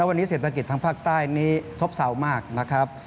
วันนี้เศรษฐกิจทางภาคใต้นี้ซบเศร้ามากนะครับ